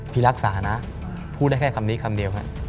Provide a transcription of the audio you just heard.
พี่รักษานะพูดได้แค่คำนี้คำเดียวครับ